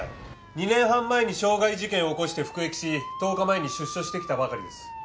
２年半前に傷害事件を起こして服役し１０日前に出所してきたばかりです。